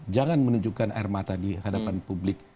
jangan menunjukkan air mata di hadapan publik